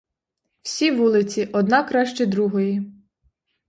Всі вулиці: одна краще другої!